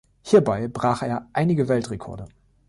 Hierbei brach er einige Weltrekorde.